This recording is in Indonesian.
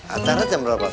angkat aja mbak mami